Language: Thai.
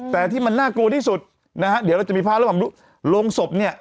แต่ที่มันน่ากลัวที่สุดนะฮะเดี๋ยวเราจะมีภาพระหว่างโรงศพเนี่ย